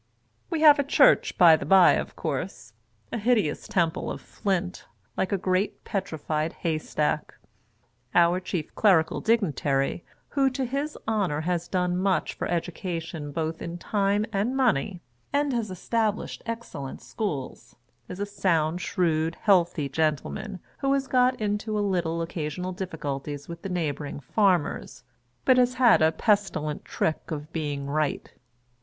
We have a church, by the bye, of course — a hideous temple of flint, like a great petrified hnystack. Our chief clerical dignitary, who, to his honor, has done much for education both in time and money, and has established excellent schools, is a sound, shrewd, healthy gentleman, who has got into little occasional difficulties with the neighbouring farmers, but has had a pestilent trick of being right.